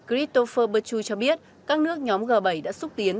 christopher pertu cho biết các nước nhóm g bảy đã xúc tiến